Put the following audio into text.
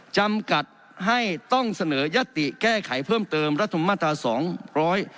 จำกัดให้ต้องเสนอยติแก้ไขเพิ่มเติมรัฐมมาตราสองร้อย